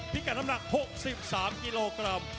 พิกัดน้ำหนัก๖๓กิโลกรัม